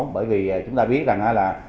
bởi vì chúng ta biết rằng